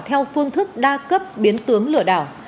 theo phương thức đa cấp biến tướng lửa đảo